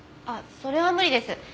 あっそれは無理です。